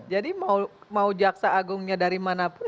jadi mau jaksa agungnya dari mana pun